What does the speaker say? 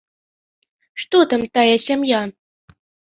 Што там тая сям'я?